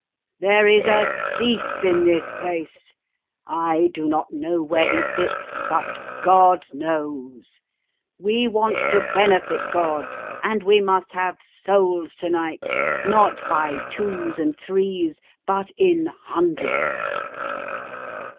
There is a thief in this place; I do not know where he sits, but God knows. We want to benefit God, and we must have souls to night, not by twos and threes, but in hundreds."